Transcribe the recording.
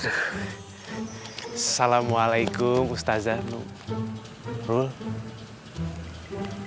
assalamualaikum ustadz zanurul